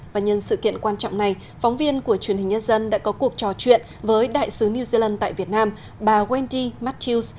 và nhân sự kiện quan trọng này phóng viên của truyền hình nhân dân đã có cuộc trò chuyện với đại sứ new zealand tại việt nam bà wendy matthews